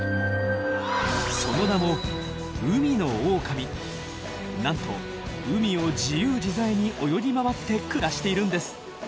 その名もなんと海を自由自在に泳ぎ回って暮らしているんです。